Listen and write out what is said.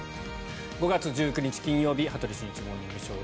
５月１９日、金曜日「羽鳥慎一モーニングショー」。